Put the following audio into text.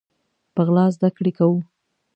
په غلا زده کړي کوو